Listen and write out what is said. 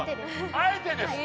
あえてです！